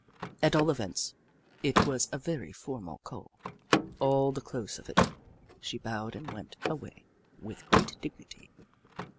At all events, it was a very formal call. At the close of it, she bowed and went away with great dignity.